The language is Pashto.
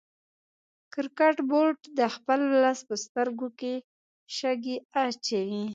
کرکټ بورډ د خپل ولس په سترګو کې شګې اچوي